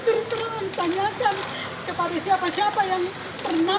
terus saya ditanyakan kepada siapa siapa yang pernah berperkara dengan saya satu km